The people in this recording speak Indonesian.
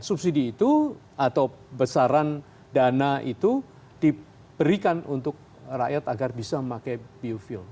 subsidi itu atau besaran dana itu diberikan untuk rakyat agar bisa memakai biofuel